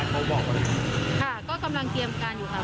ค่ะก็กำลังเตรียมการอยู่ค่ะ